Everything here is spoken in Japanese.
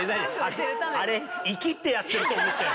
あれイキってやってると思ってんの？